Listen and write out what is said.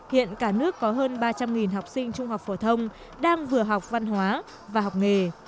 hiện cả nước có hơn ba trăm linh học sinh trung học phổ thông đang vừa học văn hóa và học nghề